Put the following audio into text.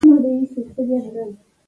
پر کنډوالو به دي ښارونه کړو ودان وطنه